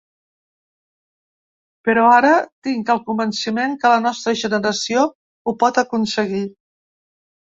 Però ara tinc el convenciment que la nostra generació ho pot aconseguir.